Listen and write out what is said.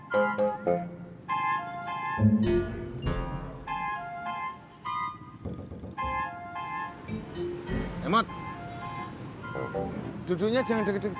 tadi susah nyarinya kalau pakai helm